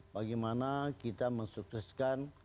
bagaimana kita mensukseskan